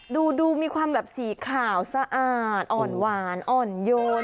ดูมีความแบบสีขาวสะอาดอ่อนหวานอ่อนโยน